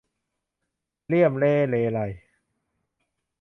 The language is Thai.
เรี่ยมเร้เรไร